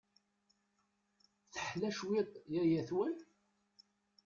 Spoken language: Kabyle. Teḥla cwiṭ yaya-twen?